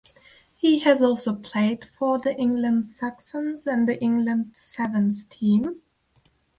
He has also played for the England Saxons and the England Sevens team.